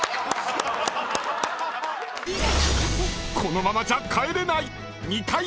［このままじゃ帰れない！］